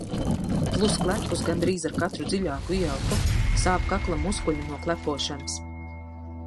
Plus klepus gandrīz ar katru dziļāku ieelpu. sāp kakla muskuļi no klepošanas.